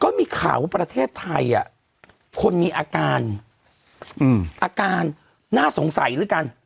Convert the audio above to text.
มีข่าวว่าประเทศไทยคนมีอาการอาการน่าสงสัยด้วยกัน